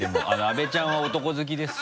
阿部ちゃんは男好きです。